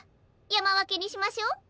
やまわけにしましょう。